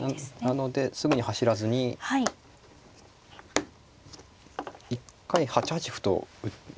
なのですぐに走らずに一回８八歩と打って。